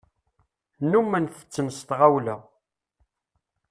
Nnumen tetten s tɣawla.